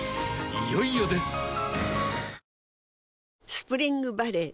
スプリングバレー